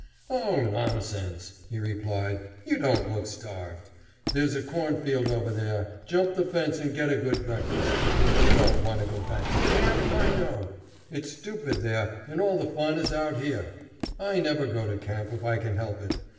"Oh nonsense!" he replied. "You don't look starved. There's a cornfield over there; jump the fence and get a good breakfast. You don't want to go back to camp, I know; it's stupid there, and all the fun is out here. I never go to camp if I can help it.